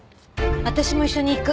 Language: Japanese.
私も一緒に行く。